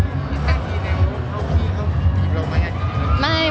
ในยมาพี่เขามีที่บินออกมาก